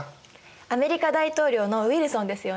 アメリカ大統領のウィルソンですよね。